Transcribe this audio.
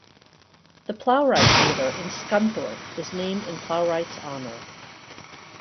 The Plowright Theatre in Scunthorpe is named in Plowright's honour.